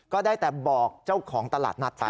ก็ได้แต่บอกเจ้าของตลาดนัดไป